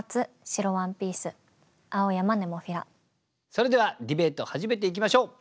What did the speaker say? それではディベート始めていきましょう。